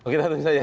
kita tunggu saja